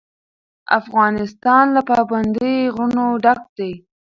افغانستان له پابندی غرونه ډک دی.